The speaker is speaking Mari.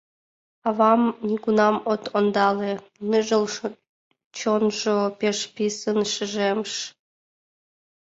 Авам нигунам от ондале, Ныжыл чонжо пеш писын шижеш.